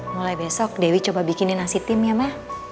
mulai besok dewi coba bikinin nasi tim ya ma